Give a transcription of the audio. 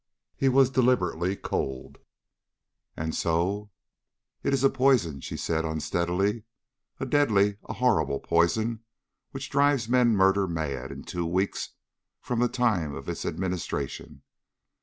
He was deliberately cold. "And so?" "It is a poison," she said unsteadily. "A deadly, a horrible poison which drives men murder mad in two weeks from the time of its administration.